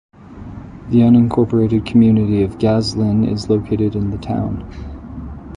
The unincorporated community of Gaslyn is located in the town.